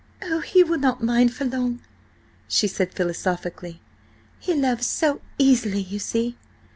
"Oh, he will not mind for long," she said philosophically. "He loves so easily, you see!